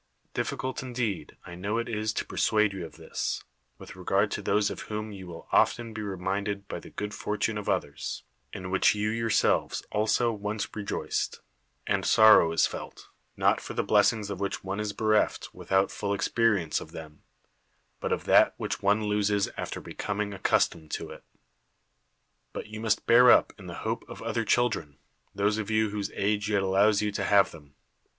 DiflScult, indeed, I know it is to persuade you of this, with regard to those of whom you will often be reminded by the good fortune of others, in which you yourselves also once rejoiced ; and sorrow is felt, not for the blessings of which one is bereft without full ex perience of them, but of that which one loses after becoming accustomed to it. But you must bear up in the hope of other children, those of you whose age yet allows you to have them.